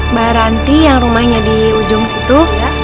mbak ranti yang rumahnya di ujung situ